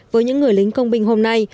với những người lính công binh hôm nay